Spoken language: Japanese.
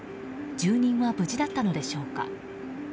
住人は無事だったのでしょうか。